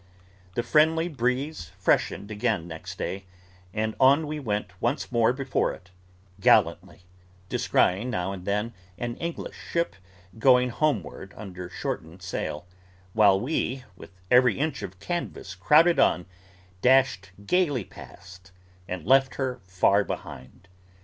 The friendly breeze freshened again next day, and on we went once more before it gallantly: descrying now and then an English ship going homeward under shortened sail, while we, with every inch of canvas crowded on, dashed gaily past, and left her far behind.